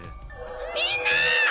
みんな！